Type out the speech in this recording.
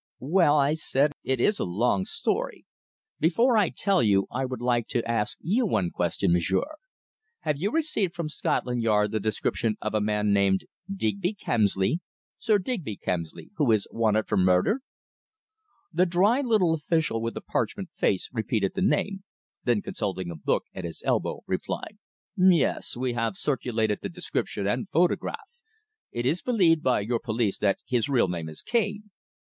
"Well," I said. "It is a long story. Before I tell you, I would like to ask you one question, m'sieur. Have you received from Scotland Yard the description of a man named Digby Kemsley Sir Digby Kemsley who is wanted for murder?" The dry little official with the parchment face repeated the name, then consulting a book at his elbow, replied: "Yes. We have circulated the description and photograph. It is believed by your police that his real name is Cane."